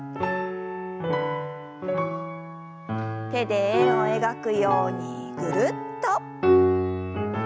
手で円を描くようにぐるっと。